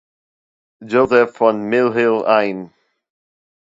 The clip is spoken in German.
Joseph von Mill Hill ein.